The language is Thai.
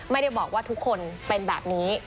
ไม่ได้บอกว่าทุกคนเป็นแบบนี้